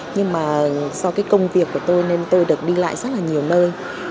nhưng mà do cái công việc của tôi nên tôi được đi lại rất là nhiều nơi